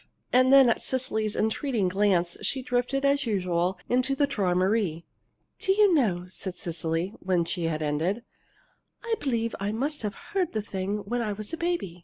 And then, at Cecily's entreating glance, she drifted, as usual, into the "Träumerei." "Do you know," said Cecily, when she had ended, "I believe I must have heard that thing when I was a baby.